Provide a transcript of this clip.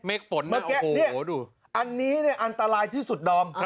เมฆฝนนะโอ้โหดูอันนี้เนี่ยอันตลายที่สุดดอม